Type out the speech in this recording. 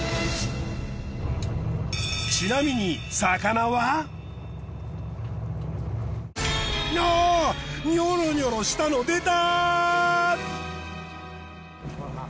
ちなみにおニョロニョロしたの出た！